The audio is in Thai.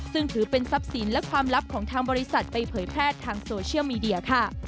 ซึ่งถือเป็นทรัพย์สินและความลับของทางบริษัทไปเผยแพร่ทางโซเชียลมีเดียค่ะ